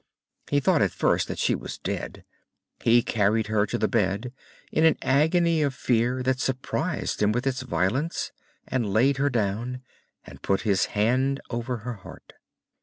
He thought at first that she was dead. He carried her to the bed, in an agony of fear that surprised him with its violence, and laid her down, and put his hand over her heart.